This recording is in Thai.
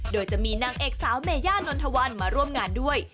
โดยจะมีนางเอกสาวเมย่านนทวันมาร่วมงานด้วย